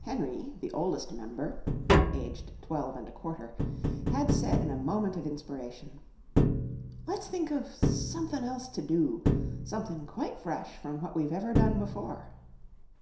Henry, the oldest member (aged 12¼) had said in a moment of inspiration: "Let's think of sumthin' else to do sumthin' quite fresh from what we've ever done before."